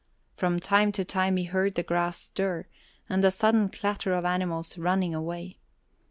From time to time he heard the grass stir and the sudden clatter of animals running away.